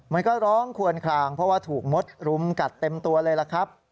มันก็ร้องควนคลางเพราะว่าถูกมดรุมกัดเต็มตัวเลยล่ะครับ